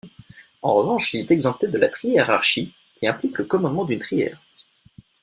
En revanche, il est exempté de la triérarchie, qui implique le commandement d'une trière.